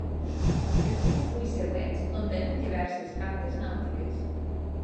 Els vuit fulls següents contenen diverses cartes nàutiques.